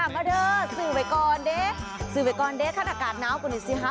มาเด้อซื้อไว้ก่อนด้วยซื้อไว้ก่อนด้วยขั้นอากาศน้าวคุณอีสิฮะ